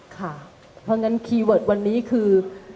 ค่ะเพราะงั้นคีย์เวิร์ดวันนี้คือ